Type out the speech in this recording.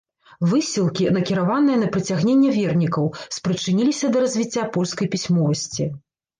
Высілкі, накіраваныя на прыцягненне вернікаў, спрычыніліся да развіцця польскай пісьмовасці.